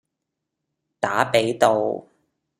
打比道